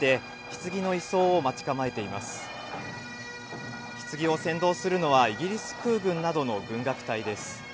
ひつぎを先導するのは、イギリス空軍などの軍楽隊です。